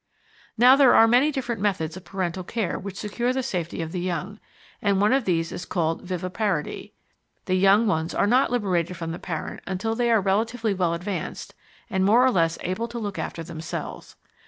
Now there are many different methods of parental care which secure the safety of the young, and one of these is called viviparity. The young ones are not liberated from the parent until they are relatively well advanced and more or less able to look after themselves.